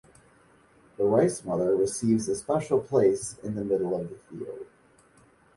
The Rice Mother receives a special place in the middle of the field.